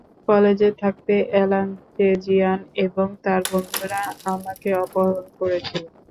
কলেজে থাকতে এলানচেজিয়ান এবং তার বন্ধুরা আমাকে অপহরণ করেছিল।